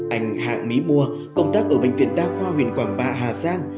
anh hạng mỹ mùa công tác ở bệnh viện đa khoa huyền quảng ba hà giang